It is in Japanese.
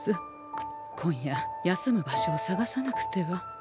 今夜休む場所を探さなくては。